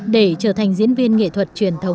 để trở thành diễn viên nghệ thuật truyền thống